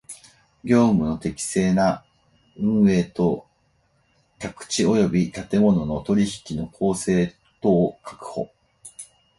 業務の適正な運営と宅地及び建物の取引の公正とを確保